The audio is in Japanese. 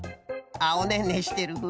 あっおねんねしてる。